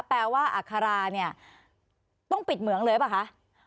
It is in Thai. แปลว่าอัคราเนี่ยต้องปิดเหมืองเลยหรือเปล่าคะ